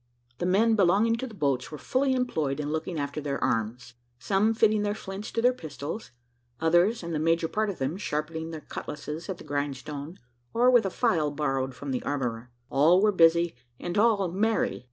The men belonging to the boats were fully employed in looking after their arms; some fitting their flints to their pistols, others, and the major part of them, sharpening their cutlasses at the grindstone, or with a file borrowed from the armourer all were busy and all merry.